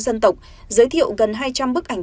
dân tộc giới thiệu gần hai trăm linh bức ảnh